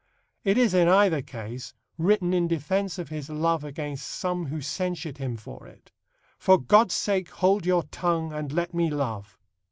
It is, in either case, written in defence of his love against some who censured him for it: For God's sake, hold your tongue, and let me love.